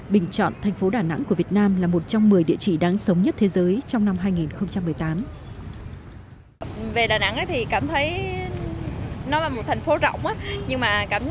bình chọn thành phố đà nẵng của việt nam là một trong một mươi địa chỉ đáng sống nhất thế giới trong năm hai nghìn một mươi tám